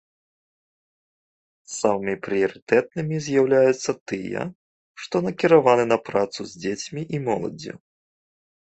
Самымі прыярытэтнымі з'яўляюцца тыя, што накіраваны на працу з дзецьмі і моладдзю.